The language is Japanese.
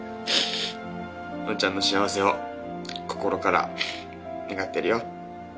「ウォンちゃんの幸せを心から願ってるよ。